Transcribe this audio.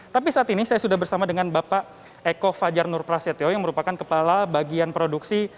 tapi saat ini saya sudah bersama dengan bapak eko fajar nur prasetyo yang merupakan kepala bagian produksi